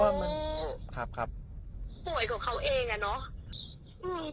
เขาป่วยกับเขาเองอ่ะเนอะ